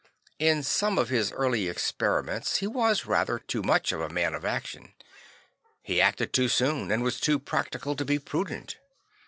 In some of his early experiments he was rather too much of a man of action; he acted too soon and was too practical to be prudent.